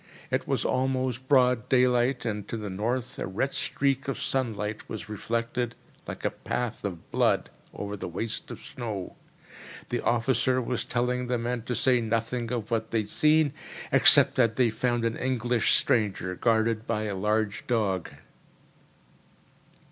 It was almost broad daylight, and to the north a red streak of sunlight was reflected, like a path of blood, over the waste of snow. The officer was telling the men to say nothing of what they had seen, except that they found an English stranger, guarded by a large dog.